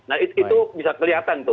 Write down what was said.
nah itu bisa kelihatan tuh